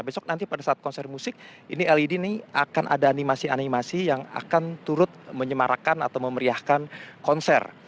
besok nanti pada saat konser musik ini led ini akan ada animasi animasi yang akan turut menyemarakan atau memeriahkan konser